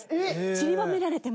ちりばめられてます。